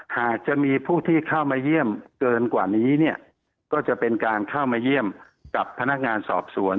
หากจะมีผู้ที่เข้ามาเยี่ยมเกินกว่านี้เนี่ยก็จะเป็นการเข้ามาเยี่ยมกับพนักงานสอบสวน